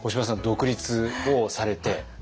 独立をされて。